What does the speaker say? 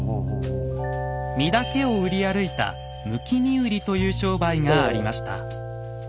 身だけを売り歩いた「むき身売り」という商売がありました。